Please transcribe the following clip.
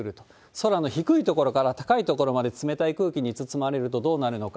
空の低い所から高い所まで冷たい空気に包まれるとどうなるのか。